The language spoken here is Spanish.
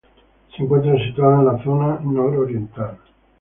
Se encuentra situada en la zona nororiental.